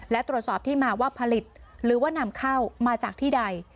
และตรวจสอบที่มาว่าผลิตหรือว่านำเข้ามาจากที่ใด